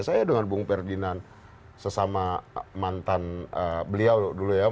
saya dengan bung ferdinand sesama mantan beliau dulu ya